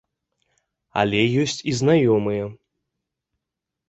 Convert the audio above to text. Але ёсць і знаёмыя.